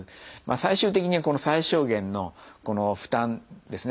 最終的には最小限の負担ですね。